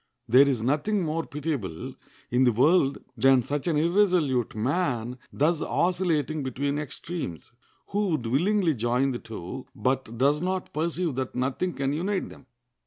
There is nothing more pitiable in the world than such an irresolute man thus oscillating between extremes, who would willingly join the two, but does not perceive that nothing can unite them.